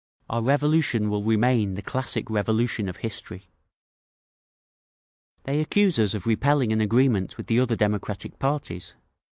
Our Revolution will remain the classic revolution of history…. "They accuse us of repelling an agreement with the other democratic parties.